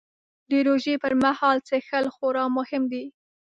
د روژې پر مهال څښل خورا مهم دي